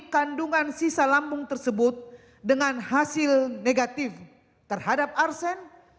kandungan sisa lambung tersebut dengan hasil negatif terhadap arsen